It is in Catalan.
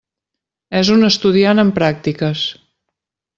És un estudiant en pràctiques.